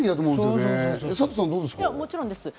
もちろんです。